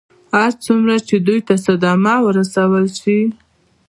هر څومره چې دوی ته صدمه ورسول شي.